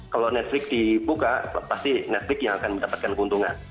kalau netflix dibuka pasti netflix yang akan mendapatkan keuntungan